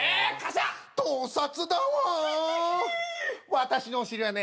私のお尻はね